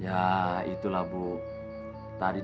tadi diaduk diaduk diaduk diaduk